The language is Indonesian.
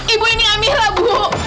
ibu ini amira bu